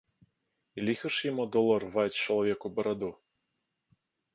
І ліха ж яму дало рваць чалавеку бараду.